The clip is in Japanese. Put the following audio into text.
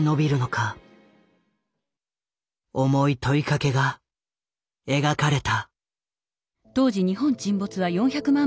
重い問いかけが描かれた。